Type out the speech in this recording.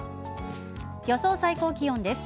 予想最高気温です。